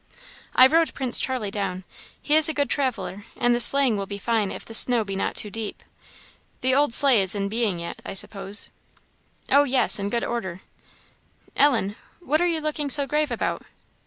"I rode Prince Charlie down. He is a good traveller, and the sleighing will be fine if the snow be not too deep. The old sleigh is in being yet, I suppose?" "Oh, yes in good order. Ellen? what are you looking so grave about?